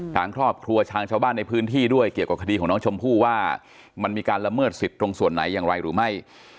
ทางครอบครัวทางชาวบ้านในพื้นที่ด้วยเกี่ยวกับคดีของน้องชมพู่ว่ามันมีการละเมิดสิทธิ์ตรงส่วนไหนอย่างไรหรือไม่